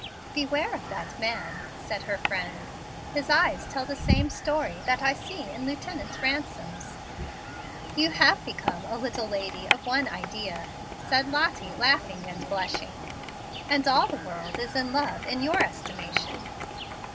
"Beware of that man," said her friend; "his eyes tell the same story that I see in Lieutenant Ransom's." "You have become a little lady of one idea," said Lottie, laughing and blushing, "and all the world is in love, in your estimation."